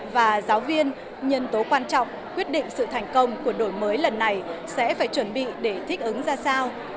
và giáo viên nhân tố quan trọng quyết định sự thành công của đổi mới lần này sẽ phải chuẩn bị để thích ứng ra sao